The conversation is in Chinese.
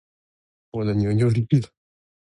我的牛牛立了